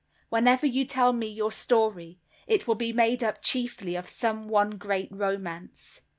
"Whenever you tell me your story, it will be made up chiefly of some one great romance."